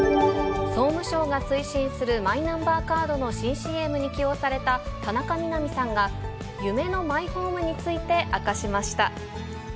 総務省が推進するマイナンバーカードの新ＣＭに起用された田中みな実さんが、夢のマイホームについて、明かしました。